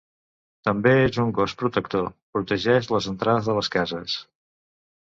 També és un gos protector, protegeix les entrades de les cases.